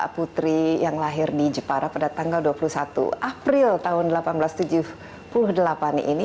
putri yang lahir di jepara pada tanggal dua puluh satu april tahun seribu delapan ratus tujuh puluh delapan ini